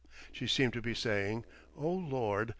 She seemed to be saying, "Oh Lord!